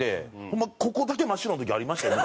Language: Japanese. ホンマここだけ真っ白な時ありましたよ